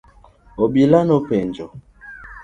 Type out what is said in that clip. Obila nopenjo.